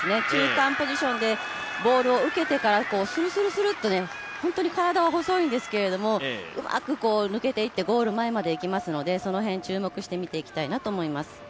中間ポジションでボールを受けてからするするするっと体は細いんですが、うまく抜けていってゴール前まで行きますので、その辺注目して見ていきたいと思います。